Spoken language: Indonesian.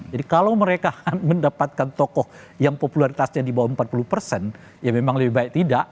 jadi kalau mereka mendapatkan tokoh yang popularitasnya di bawah empat puluh ya memang lebih baik tidak